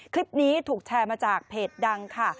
คลิปนี้ถูกแชร์มาจากเพจดังค่ะ